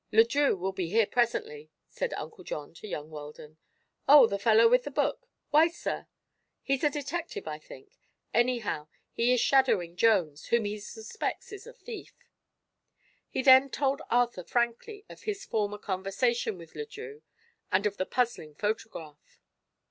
"Le Drieux will be here presently," said Uncle John to young Weldon. "Oh, the fellow with the book. Why, sir?" "He's a detective, I think. Anyhow, he is shadowing Jones, whom he suspects is a thief." He then told Arthur frankly of his former conversation with Le Drieux, and of the puzzling photograph.